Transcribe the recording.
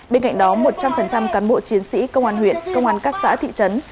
bên cạnh đó một trăm linh cán bộ chiến sĩ công an huyện công an các xã thị trấn